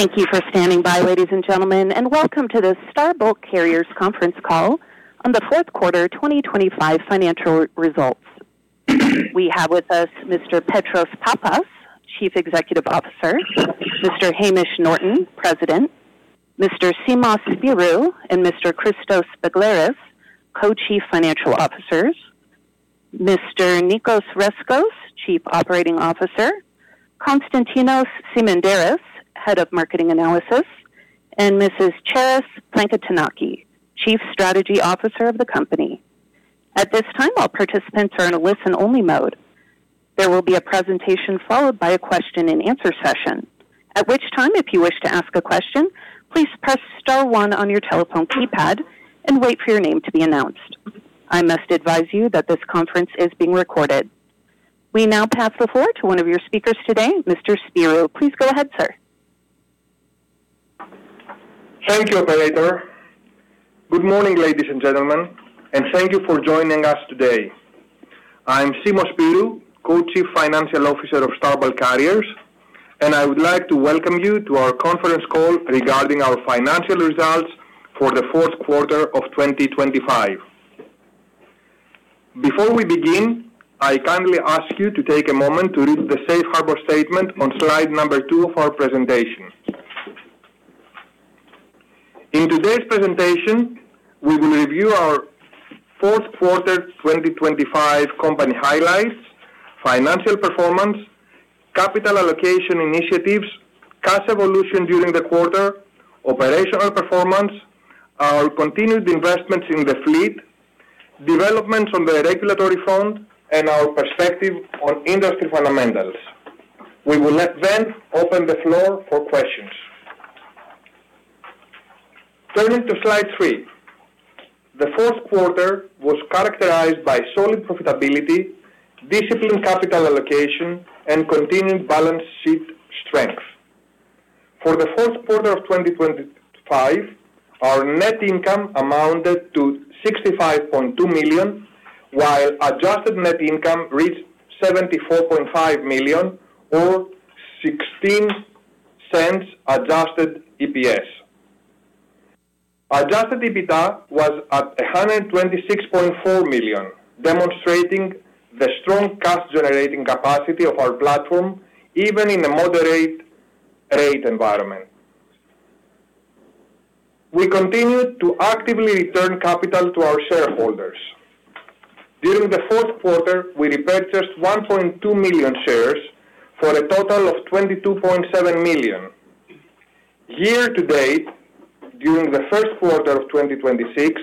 Thank you for standing by, ladies and gentlemen, and welcome to the Star Bulk Carriers Conference Call on the Fourth Quarter 2025 Financial Results. We have with us Mr. Petros Pappas, Chief Executive Officer, Mr. Hamish Norton, President, Mr. Simos Spyrou and Mr. Christos Begleris, Co-Chief Financial Officers, Mr. Nicos Rescos, Chief Operating Officer, Constantinos Simantiras, Head of Market Analysis, and Mrs. Charis Plakantonaki, Chief Strategy Officer of the company. At this time, all participants are in a listen-only mode. There will be a presentation followed by a question and answer session, at which time, if you wish to ask a question, please press star one on your telephone keypad and wait for your name to be announced. I must advise you that this conference is being recorded. We now pass the floor to one of your speakers today, Mr. Spyrou. Please go ahead, sir. Thank you, operator. Good morning, ladies and gentlemen, and thank you for joining us today. I'm Simos Spyrou, Co-Chief Financial Officer of Star Bulk Carriers. I would like to welcome you to our conference call regarding our financial results for the fourth quarter of 2025. Before we begin, I kindly ask you to take a moment to read the safe harbor statement on slide number two of our presentation. In today's presentation, we will review our fourth quarter 2025 company highlights, financial performance, capital allocation initiatives, cash evolution during the quarter, operational performance, our continued investments in the fleet, developments on the regulatory front, and our perspective on industry fundamentals. We will then open the floor for questions. Turning to slide 3. The fourth quarter was characterized by solid profitability, disciplined capital allocation, and continued balance sheet strength. For the fourth quarter of 2025, our net income amounted to $65.2 million, while adjusted net income reached $74.5 million or $0.16 adjusted EPS. Adjusted EBITDA was at $126.4 million, demonstrating the strong cash generating capacity of our platform, even in a moderate rate environment. We continued to actively return capital to our shareholders. During the fourth quarter, we repurchased 1.2 million shares for a total of $22.7 million. Year to date, during the first quarter of 2026,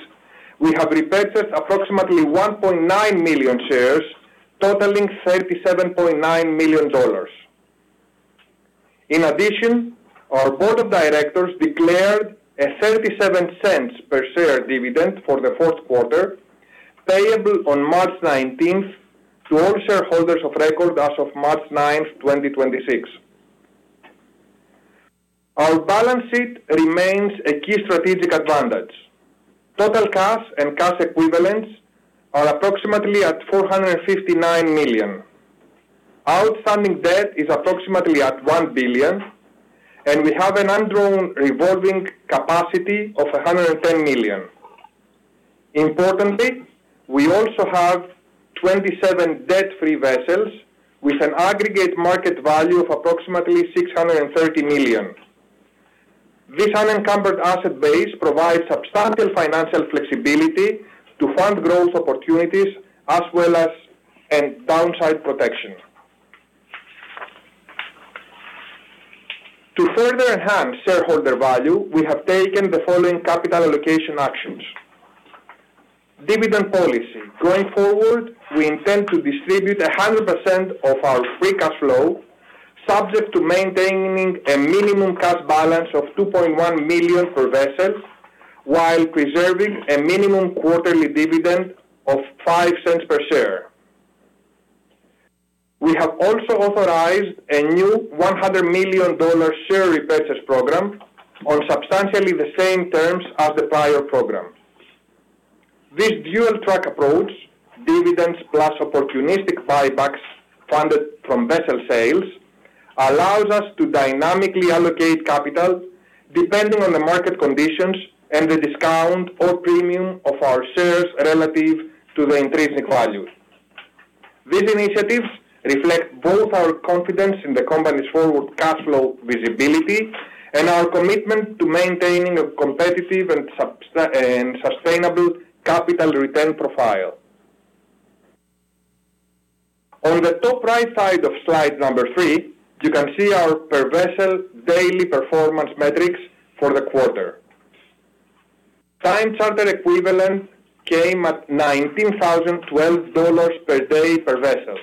we have repurchased approximately 1.9 million shares, totaling $37.9 million. In addition, our Board of Directors declared a $0.37 per share dividend for the fourth quarter, payable on March 19th, to all shareholders of record as of March 9th, 2026. Our balance sheet remains a key strategic advantage. Total cash and cash equivalents are approximately at $459 million. Outstanding debt is approximately at $1 billion. We have an undrawn revolving capacity of $110 million. Importantly, we also have 27 debt-free vessels with an aggregate market value of approximately $630 million. This unencumbered asset base provides substantial financial flexibility to fund growth opportunities as well as, and downside protection. To further enhance shareholder value, we have taken the following capital allocation actions. Dividend policy. Going forward, we intend to distribute 100% of our free cash flow, subject to maintaining a minimum cash balance of $2.1 million per vessel, while preserving a minimum quarterly dividend of $0.05 per share. We have also authorized a new $100 million share repurchase program on substantially the same terms as the prior program. This dual track approach, dividends plus opportunistic buybacks funded from vessel sales, allows us to dynamically allocate capital depending on the market conditions and the discount or premium of our shares relative to the intrinsic value. These initiatives reflect both our confidence in the company's forward cash flow visibility and our commitment to maintaining a competitive and sustainable capital return profile. On the top right side of slide number 3, you can see our per vessel daily performance metrics for the quarter. Time charter equivalent came at $19,012 per day per vessel.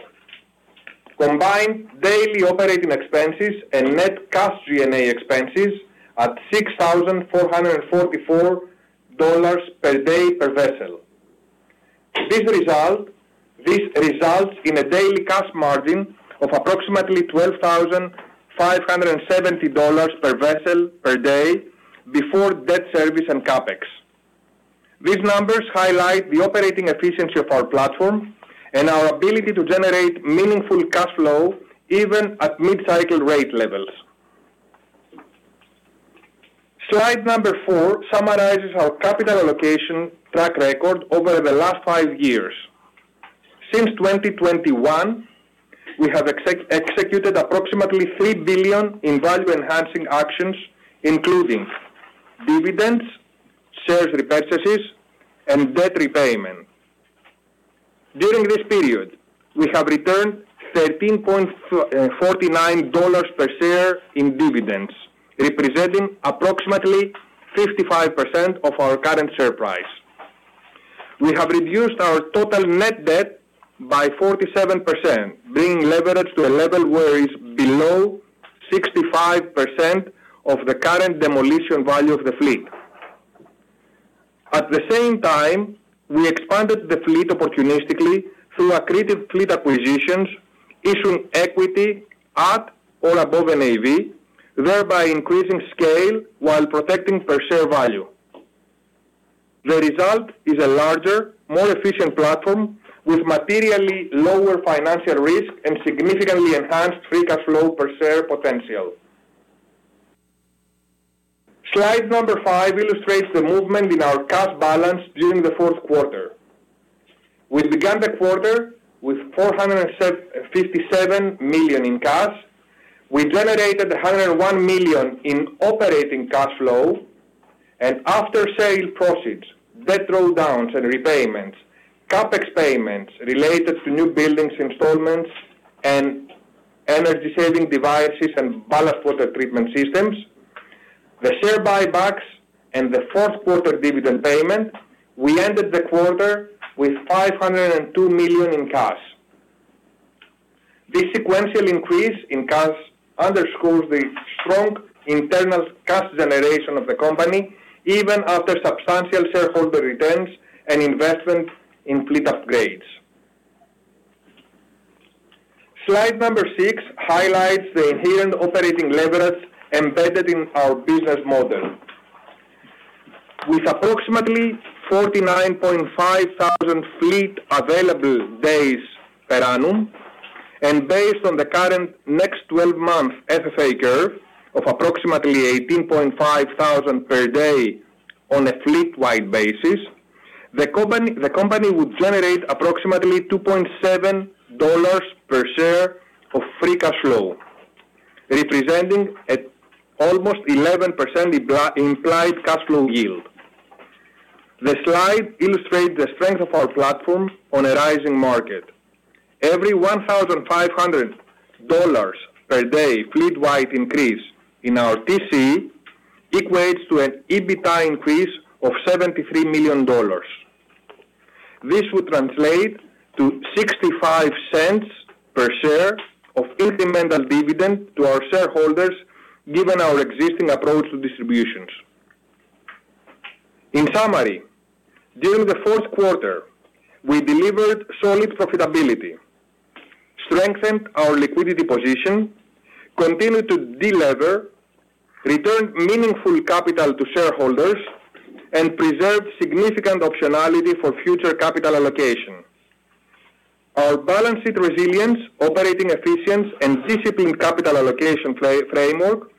Combined daily operating expenses and net cash G&A expenses at $6,444 per day per vessel. This results in a daily cash margin of approximately $12,570 per vessel per day before debt service and CapEx. These numbers highlight the operating efficiency of our platform and our ability to generate meaningful cash flow, even at mid-cycle rate levels. Slide number 4 summarizes our capital allocation track record over the last five years. Since 2021, we have executed approximately $3 billion in value-enhancing actions, including dividends, shares repurchases, and debt repayment. During this period, we have returned $13.49 per share in dividends, representing approximately 55% of our current share price. We have reduced our total net debt by 47%, bringing leverage to a level where it's below 65% of the current demolition value of the fleet. At the same time, we expanded the fleet opportunistically through accretive fleet acquisitions, issuing equity at or above NAV, thereby increasing scale while protecting per share value. The result is a larger, more efficient platform, with materially lower financial risk and significantly enhanced free cash flow per share potential. Slide number 5 illustrates the movement in our cash balance during the fourth quarter. We began the quarter with $457 million in cash. We generated $101 million in operating cash flow, and after-sale proceeds, debt drawdowns and repayments, CapEx payments related to new buildings installments, and energy-saving devices and ballast water treatment systems, share buybacks and the fourth quarter dividend payment, we ended the quarter with $502 million in cash. This sequential increase in cash underscores the strong internal cash generation of the company, even after substantial shareholder returns and investment in fleet upgrades. Slide number 6 highlights the inherent operating leverage embedded in our business model. With approximately 49,500 fleet available days per annum, and based on the current next 12-month FFA curve of approximately $18,500 per day on a fleet-wide basis, the company would generate approximately $2.7 per share of free cash flow, representing at almost 11% implied cash flow yield. The slide illustrates the strength of our platform on a rising market. Every $1,500 per day fleet-wide increase in our TCE equates to an EBITDA increase of $73 million. This would translate to $0.65 per share of incremental dividend to our shareholders, given our existing approach to distributions. In summary, during the fourth quarter, we delivered solid profitability, strengthened our liquidity position, continued to delever, returned meaningful capital to shareholders, and preserved significant optionality for future capital allocation. Our balanced resilience, operating efficiency, and disciplined capital allocation framework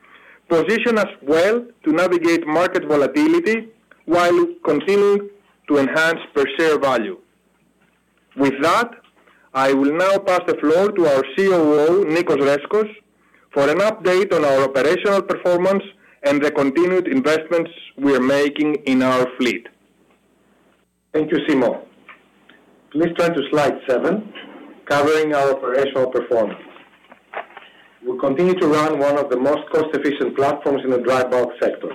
position us well to navigate market volatility while continuing to enhance per share value. With that, I will now pass the floor to our COO, Nicos Rescos, for an update on our operational performance and the continued investments we are making in our fleet. Thank you, Simo. Please turn to slide 7, covering our operational performance. We continue to run one of the most cost-efficient platforms in the dry bulk sector.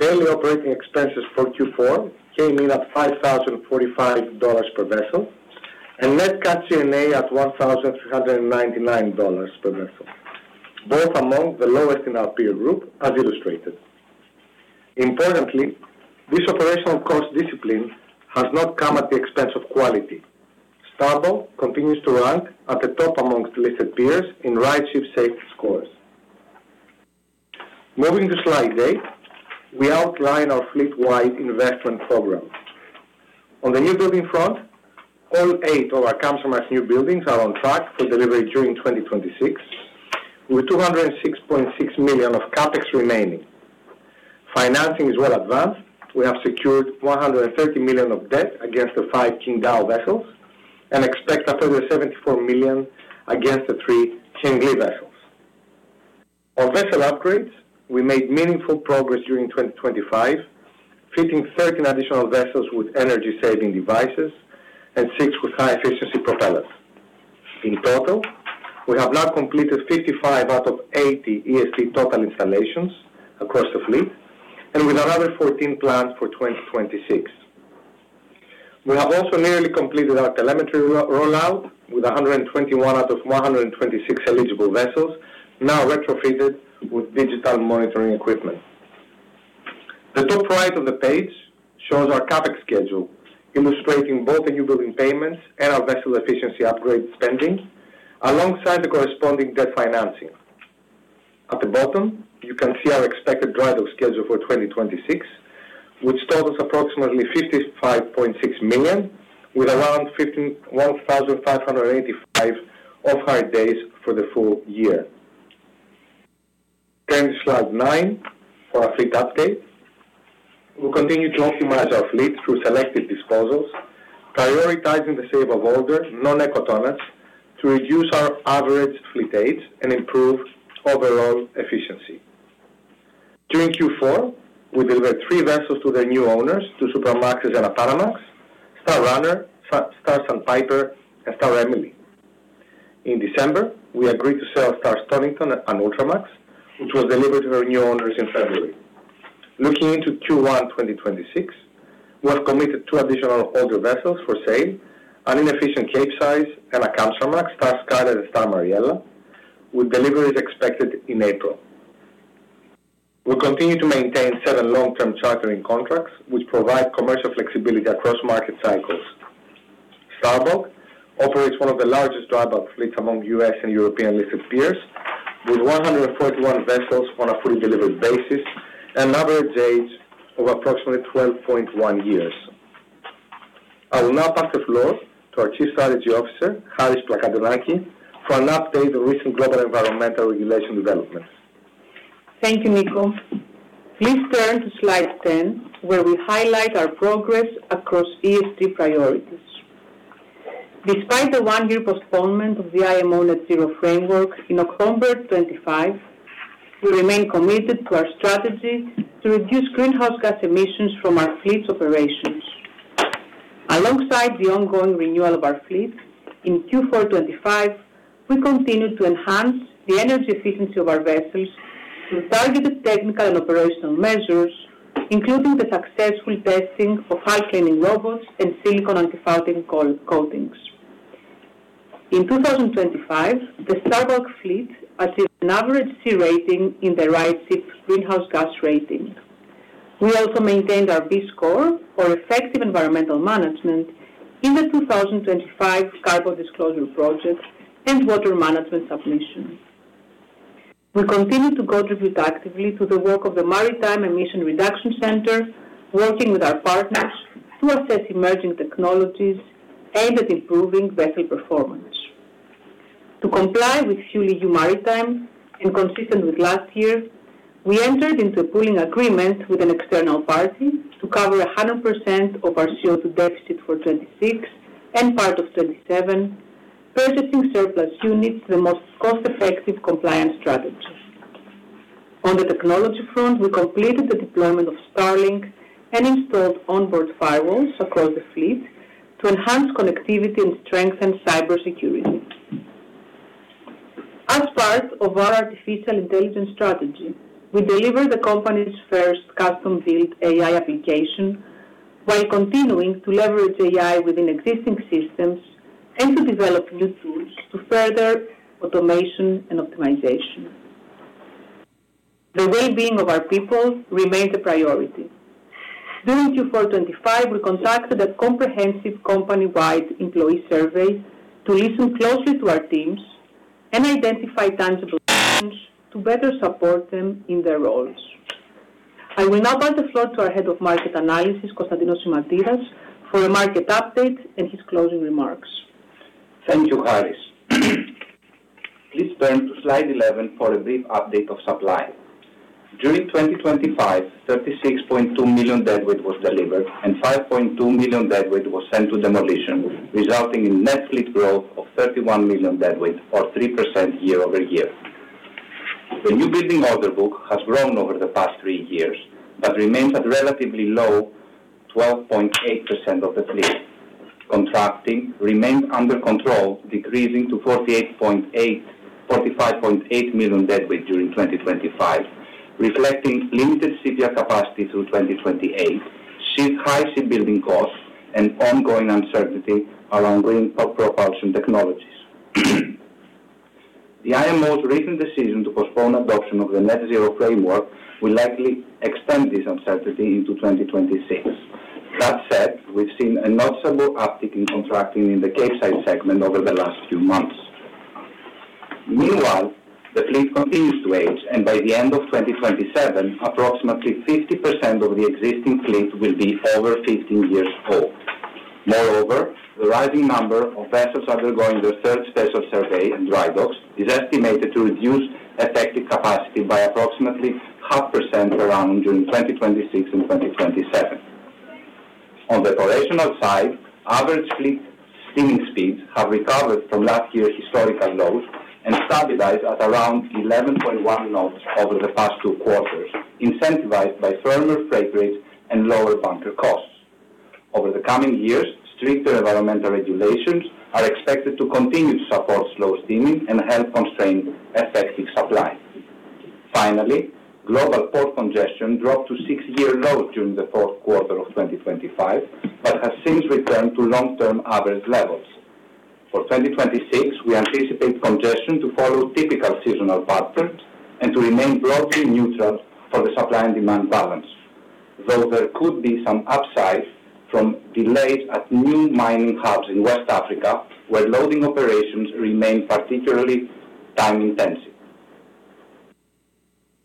Daily operating expenses for Q4 came in at $5,045 per vessel, and net cash G&A at $1,399 per vessel, both among the lowest in our peer group, as illustrated. Importantly, this operational cost discipline has not come at the expense of quality. Star Bulk continues to rank at the top amongst listed peers in RightShip safety scores. Moving to Slide eight, we outline our fleet-wide investment program. On the new building front, all eight of our Kamsarmax new buildings are on track for delivery during 2026, with $206.6 million of CapEx remaining. Financing is well advanced. We have secured $130 million of debt against the five Qingdao vessels and expect a further $74 million against the three Chengxi vessels. On vessel upgrades, we made meaningful progress during 2025, fitting 13 additional vessels with energy-saving devices and six with high-efficiency propellers. In total, we have now completed 55 out of 80 ESD total installations across the fleet, and with another 14 planned for 2026. We have also nearly completed our telemetry rollout, with 121 out of 126 eligible vessels, now retrofitted with digital monitoring equipment. The top right of the page shows our CapEx schedule, illustrating both the new building payments and our vessel efficiency upgrade spending, alongside the corresponding debt financing. At the bottom, you can see our expected drydock schedule for 2026, which totals approximately $55.6 million, with around 1,585 of our days for the full year. Turn to slide 9 for our fleet update. We'll continue to optimize our fleet through selective disposals, prioritizing the sale of older, non-ECO tonnages to reduce our average fleet age and improve overall efficiency. During Q4, we delivered three vessels to their new owners, two Supramaxes and a Panamax, Star Runner, Star Sandpiper, and Star Emily. In December, we agreed to sell Star Stonington, an Ultramax, which was delivered to their new owners in February. Looking into Q1 2026, we have committed two additional older vessels for sale, an inefficient Capesize and a Kamsarmax, Star Scarlett and Star Mariella, with deliveries expected in April. We'll continue to maintain seven long-term chartering contracts, which provide commercial flexibility across market cycles. Star Bulk operates one of the largest dry bulk fleets among U.S. and European listed peers, with 141 vessels on a fully delivered basis, an average age of approximately 12.1 years. I will now pass the floor to our Chief Strategy Officer, Charis Plakantonaki, for an update on recent global environmental regulation developments. Thank you, Nico. Please turn to slide 10, where we highlight our progress across ESG priorities. Despite the one-year postponement of the IMO Net-Zero Framework in October 2025, we remain committed to our strategy to reduce greenhouse gas emissions from our fleet's operations. Alongside the ongoing renewal of our fleet, in Q4 2025, we continued to enhance the energy efficiency of our vessels through targeted technical and operational measures, including the successful testing of hull cleaning robots and silicone antifouling coatings. In 2025, the Star Bulk fleet achieved an average C rating in the RightShip's Greenhouse Gas Rating. We also maintained our B score for effective environmental management in the 2025 Carbon Disclosure Project and Water Management Submission. We continue to contribute actively to the work of the Maritime Emissions Reduction Center, working with our partners to assess emerging technologies aimed at improving vessel performance. To comply with FuelEU Maritime and consistent with last year, we entered into a pooling agreement with an external party to cover 100% of our CO2 deficit for 2026 and part of 2027, purchasing surplus units, the most cost-effective compliance strategy. On the technology front, we completed the deployment of Starlink and installed onboard firewalls across the fleet to enhance connectivity and strengthen cybersecurity. As part of our artificial intelligence strategy, we delivered the company's first custom-built AI application while continuing to leverage AI within existing systems and to develop new tools to further automation and optimization. The well-being of our people remains a priority. During Q4 2025, we conducted a comprehensive company-wide employee survey to listen closely to our teams and identify tangible solutions to better support them in their roles. I will now pass the floor to our Head of Market Analysis, Constantinos Simantiras, for a market update and his closing remarks. Thank you, Charis. Please turn to slide 11 for a brief update of supply. During 2025, 36.2 million deadweight was delivered, and 5.2 million deadweight was sent to demolition, resulting in net fleet growth of 31 million deadweight, or 3% year-over-year. The new building order book has grown over the past three years, but remains at relatively low 12.8% of the fleet. Contracting remains under control, decreasing to 45.8 million deadweight during 2025, reflecting limited shipyard capacity through 2028, high shipbuilding costs, and ongoing uncertainty around green propulsion technologies. The IMO's recent decision to postpone adoption of the IMO Net-Zero Framework will likely extend this uncertainty into 2026. That said, we've seen a noticeable uptick in contracting in the Capesize segment over the last few months. Meanwhile, the fleet continues to age. By the end of 2027, approximately 50% of the existing fleet will be over 15 years old. Moreover, the rising number of vessels undergoing their third special survey and dry docks is estimated to reduce effective capacity by approximately 0.5% around during 2026 and 2027. On the operational side, average fleet steaming speeds have recovered from last year's historical lows and stabilized at around 11.1 knots over the past two quarters, incentivized by firmer freight rates and lower bunker costs. Over the coming years, stricter environmental regulations are expected to continue to support slow steaming and help constrain effective supply. Finally, global port congestion dropped to six-year lows during the fourth quarter of 2025, but has since returned to long-term average levels. For 2026, we anticipate congestion to follow typical seasonal patterns and to remain broadly neutral for the supply and demand balance. There could be some upsides from delays at new mining hubs in West Africa, where loading operations remain particularly time-intensive.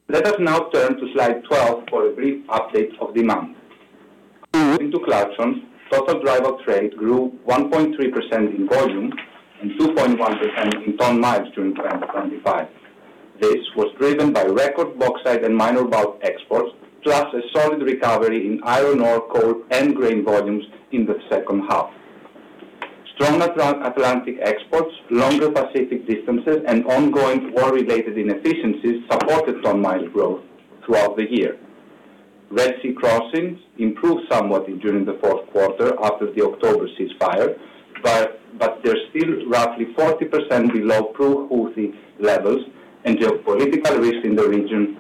Let us now turn to slide 12 for a brief update of demand. According to Clarksons, total dry bulk trade grew 1.3% in volume and 2.1% in ton-miles during 2025. This was driven by record bauxite and minor bulk exports, plus a solid recovery in iron ore, coal, and grain volumes in the second half. Strong Atlantic exports, longer Pacific distances, and ongoing war-related inefficiencies supported ton-mile growth throughout the year. Red Sea crossings improved somewhat during the fourth quarter after the October ceasefire, but they're still roughly 40% below pre-Houthi levels, and geopolitical risks in the region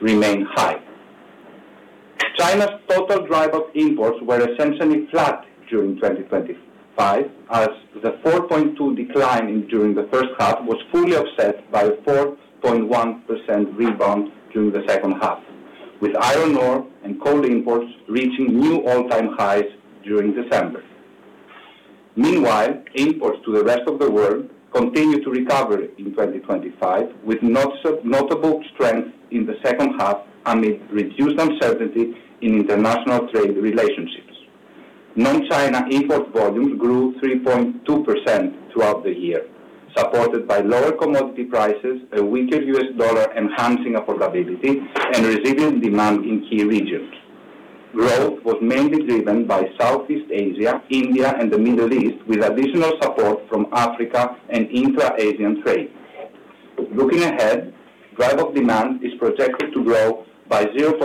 remain high. China's total dry bulk imports were essentially flat during 2025, as the 4.2% decline during the first half was fully offset by a 4.1% rebound during the second half, with iron ore and coal imports reaching new all-time highs during December. Imports to the rest of the world continued to recover in 2025, with notable strength in the second half amid reduced uncertainty in international trade relationships. Non-China import volumes grew 3.2% throughout the year, supported by lower commodity prices, a weaker U.S. dollar enhancing affordability, and resilient demand in key regions. Growth was mainly driven by Southeast Asia, India, and the Middle East, with additional support from Africa and intra-Asian trade. Looking ahead, dry bulk demand is projected to grow by 0.6%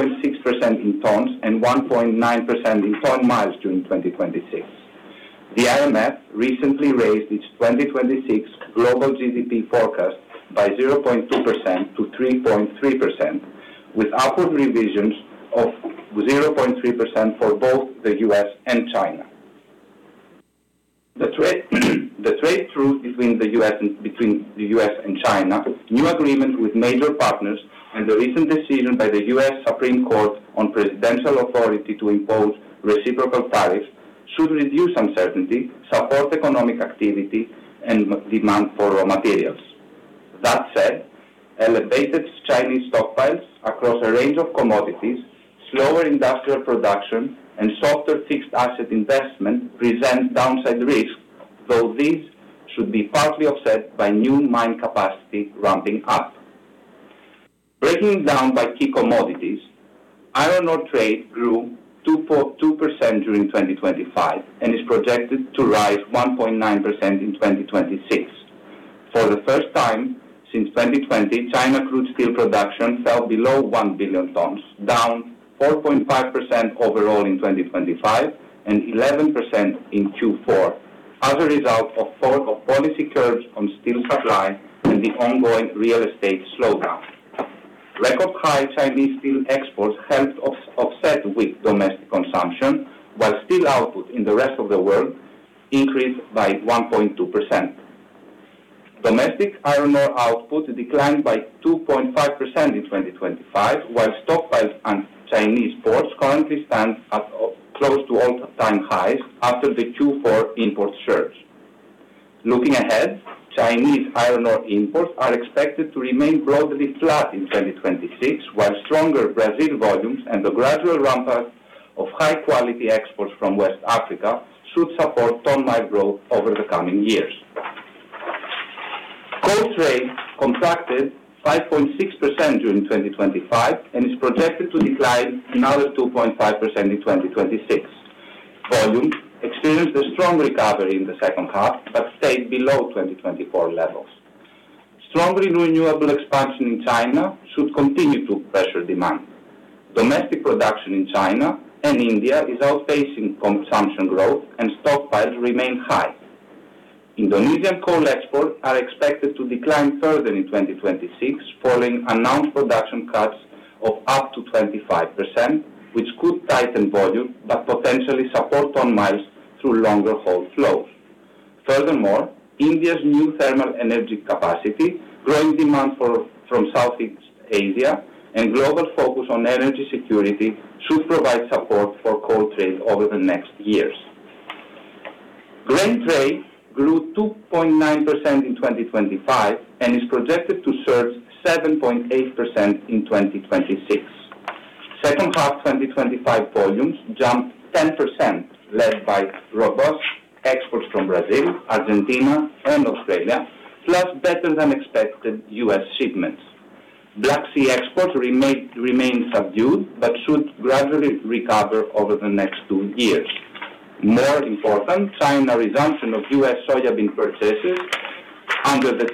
in tons and 1.9% in ton-miles during 2026. The IMF recently raised its 2026 global GDP forecast by 0.2% to 3.3%, with upward revisions of 0.3% for both the U.S. and China. The trade truce between the U.S. and China, new agreement with major partners and the recent decision by the U.S. Supreme Court on presidential authority to impose reciprocal tariffs should reduce uncertainty, support economic activity, and demand for raw materials. That said, elevated Chinese stockpiles across a range of commodities, slower industrial production, and softer fixed asset investment present downside risks, though these should be partly offset by new mine capacity ramping up. Breaking it down by key commodities, iron ore trade grew 2.2% during 2025, and is projected to rise 1.9% in 2026. For the first time since 2020, China crude steel production fell below 1 billion tons, down 4.5% overall in 2025, and 11% in Q4, as a result of policy curbs on steel supply and the ongoing real estate slowdown. Record high Chinese steel exports helped offset weak domestic consumption, while steel output in the rest of the world increased by 1.2%. Domestic iron ore output declined by 2.5% in 2025, while stockpiles on Chinese ports currently stand at close to all-time highs after the Q4 import surge. Chinese iron ore imports are expected to remain broadly flat in 2026, while stronger Brazil volumes and the gradual ramp up of high-quality exports from West Africa should support ton-mile growth over the coming years. Coal trade contracted 5.6% during 2025, and is projected to decline another 2.5% in 2026. Volumes experienced a strong recovery in the second half, but stayed below 2024 levels. Stronger renewable expansion in China should continue to pressure demand. Domestic production in China and India is outpacing consumption growth and stockpiles remain high. Indonesian coal exports are expected to decline further in 2026, following announced production cuts of up to 25%, which could tighten volume, but potentially support ton-miles through longer haul flows. India's new thermal energy capacity, growing demand from Southeast Asia, and global focus on energy security, should provide support for coal trade over the next years. Grain trade grew 2.9% in 2025, and is projected to surge 7.8% in 2026. Second half 2025 volumes jumped 10%, led by robust exports from Brazil, Argentina, and Australia, plus better-than-expected U.S. shipments. Black Sea exports remain subdued, but should gradually recover over the next two years. More important, China resumption of U.S. soybean purchases under the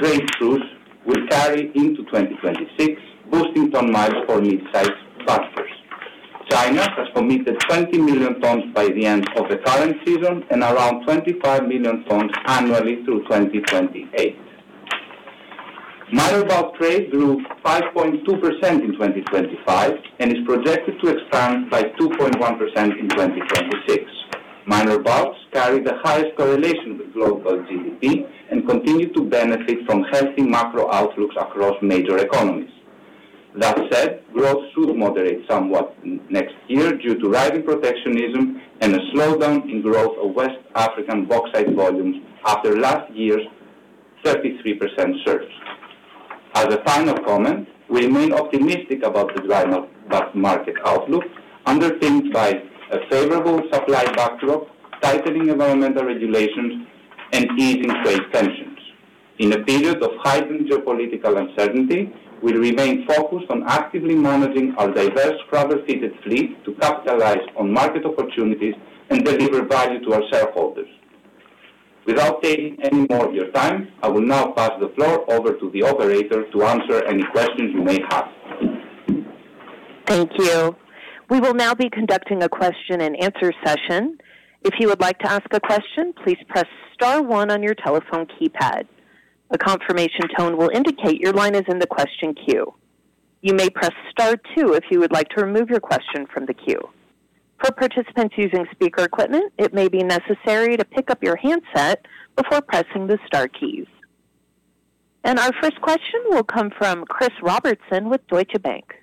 trade truce will carry into 2026, boosting ton-miles for mid-sized Panamaxes. China has committed 20 million tons by the end of the current season, around 25 million tons annually through 2028. Minor bulk trade grew 5.2% in 2025, is projected to expand by 2.1% in 2026. Minor bulks carry the highest correlation with global GDP and continue to benefit from healthy macro outlooks across major economies. That said, growth should moderate somewhat next year due to rising protectionism and a slowdown in growth of West African bauxite volumes after last year's 33% surge. As a final comment, we remain optimistic about the dry bulk market outlook, underpinned by a favorable supply backdrop, tightening environmental regulations, and easing trade tensions. In a period of heightened geopolitical uncertainty, we remain focused on actively managing our diverse, ECO-rated fleet to capitalize on market opportunities and deliver value to our shareholders. Without taking any more of your time, I will now pass the floor over to the operator to answer any questions you may have. Thank you. We will now be conducting a question and answer session. If you would like to ask a question, please press star one on your telephone keypad. A confirmation tone will indicate your line is in the question queue. You may press star two if you would like to remove your question from the queue. For participants using speaker equipment, it may be necessary to pick up your handset before pressing the star keys. Our first question will come from Chris Robertson with Deutsche Bank.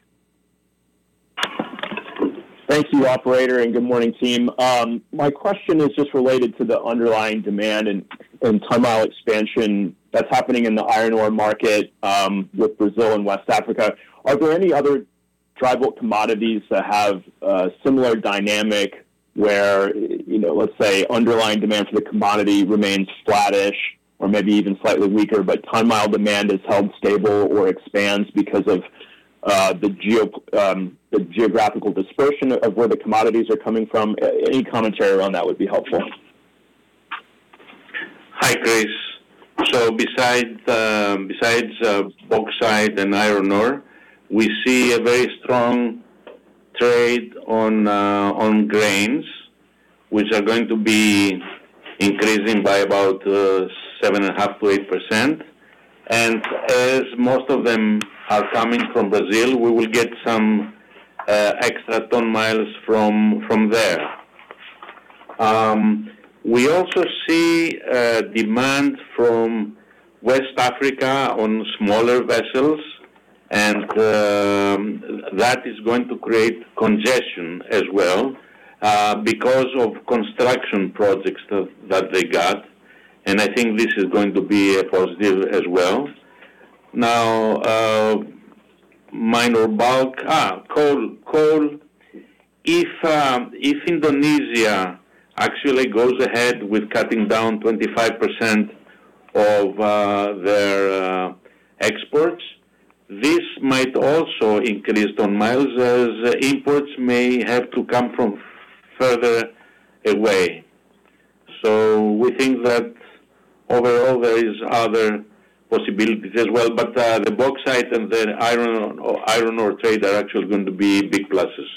Thank you, operator, and good morning, team. My question is just related to the underlying demand and ton-mile expansion that's happening in the iron ore market with Brazil and West Africa. Are there any other dry bulk commodities that have a similar dynamic where, you know, let's say, underlying demand for the commodity remains flattish or maybe even slightly weaker, but ton-mile demand is held stable or expands because of the geo, the geographical dispersion of where the commodities are coming from? Any commentary around that would be helpful. Hi, Chris. Besides, besides bauxite and iron ore, we see a very strong trade on grains, which are going to be increasing by about 7.5%-8%. As most of them are coming from Brazil, we will get some extra ton-miles from there. We also see demand from West Africa on smaller vessels, that is going to create congestion as well, because of construction projects that they got. I think this is going to be a positive as well. Now, minor bulk, coal. Coal, if Indonesia actually goes ahead with cutting down 25% of their exports, this might also increase ton-miles, as imports may have to come from further away. We think that overall there is other possibilities as well, but the bauxite and the iron ore trade are actually going to be big pluses.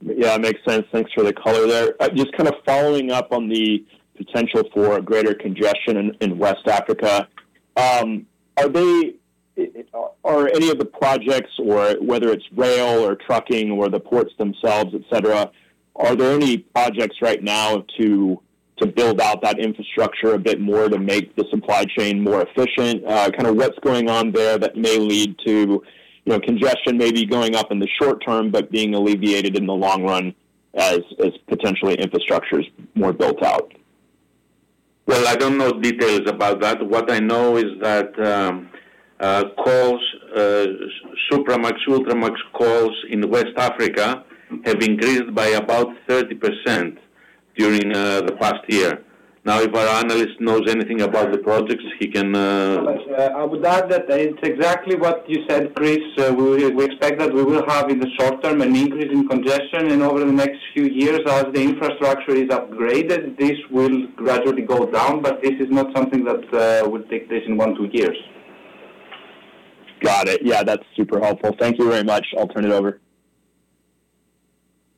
Yeah, makes sense. Thanks for the color there. Just kind of following up on the potential for greater congestion in West Africa. Are any of the projects, or whether it's rail or trucking or the ports themselves, et cetera, are there any projects right now to build out that infrastructure a bit more to make the supply chain more efficient? Kind of, what's going on there that may lead to, you know, congestion maybe going up in the short term, but being alleviated in the long run as potentially infrastructure is more built out? I don't know details about that. What I know is that coals, Supramax, Ultramax coals in West Africa have increased by about 30% during the past year. If our analyst knows anything about the projects, he can-- Yes, I would add that it's exactly what you said, Chris. We expect that we will have, in the short term, an increase in congestion, and over the next few years, as the infrastructure is upgraded, this will gradually go down, but this is not something that would take place in one, two years. Got it. Yeah, that's super helpful. Thank you very much. I'll turn it over.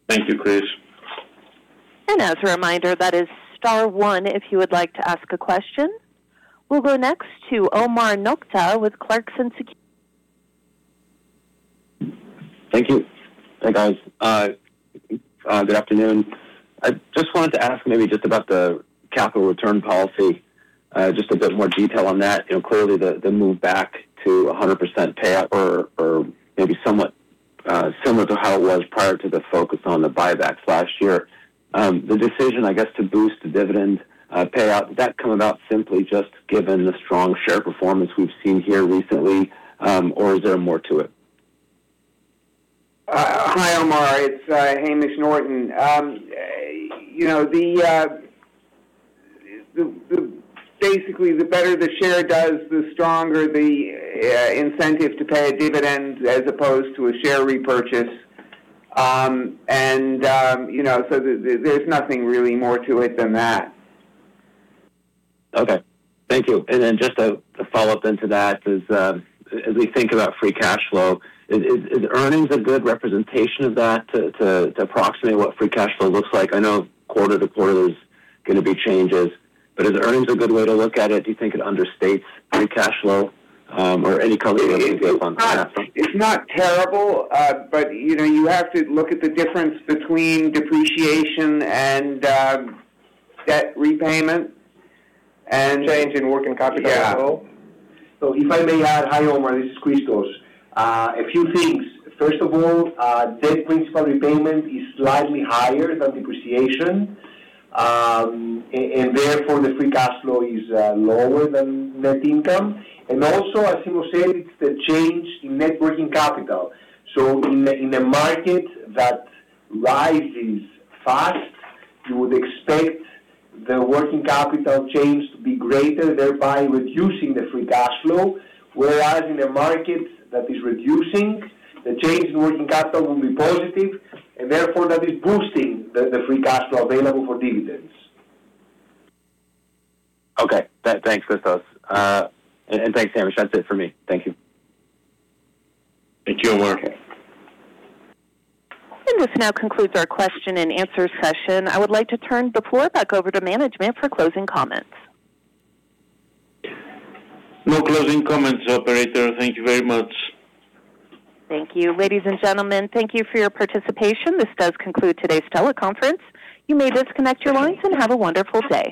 Thank you, Chris. As a reminder, that is star one, if you would like to ask a question. We'll go next to Omar Nokta with Clarksons Securities. Thank you. Hey, guys, good afternoon. I just wanted to ask maybe just about the capital return policy, just a bit more detail on that. You know, clearly, the move back to a 100% payout or maybe somewhat similar to how it was prior to the focus on the buybacks last year. The decision, I guess, to boost the dividend payout, did that come about simply just given the strong share performance we've seen here recently, or is there more to it? Hi, Omar. It's Hamish Norton. You know, the-- Basically, the better the share does, the stronger the incentive to pay a dividend as opposed to a share repurchase. You know, so there's nothing really more to it than that. Okay. Thank you. Then just a follow-up into that is, as we think about free cash flow, is earnings a good representation of that to approximate what free cash flow looks like? I know quarter to quarter, there's going to be changes. Is earnings a good way to look at it? Do you think it understates free cash flow, or any color you want to give on that? It's not terrible, but, you know, you have to look at the difference between depreciation and debt repayment. Change in working capital as well. Yeah. If I may add, hi, Omar, this is Christos. A few things. First of all, debt principal repayment is slightly higher than depreciation. Therefore, the free cash flow is lower than net income. Also, as Hamish said, it's the change in net working capital. In a market that rises fast, you would expect the working capital change to be greater, thereby reducing the free cash flow. Whereas in a market that is reducing, the change in working capital will be positive, and therefore, that is boosting the free cash flow available for dividends. Okay. Thanks, Christos. Thanks, Hamish. That's it for me. Thank you. Thank you, Omar. This now concludes our question and answer session. I would like to turn the floor back over to management for closing comments. No closing comments, operator. Thank you very much. Thank you. Ladies and gentlemen, thank you for your participation. This does conclude today's teleconference. You may disconnect your lines and have a wonderful day.